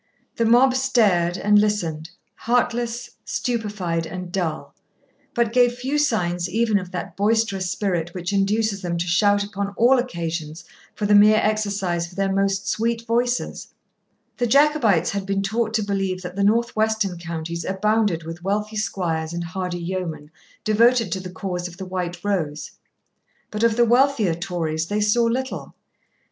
The mob stared and listened, heartless, stupefied, and dull, but gave few signs even of that boisterous spirit which induces them to shout upon all occasions for the mere exercise of their most sweet voices. The Jacobites had been taught to believe that the north western counties abounded with wealthy squires and hardy yeomen, devoted to the cause of the White Rose. But of the wealthier Tories they saw little.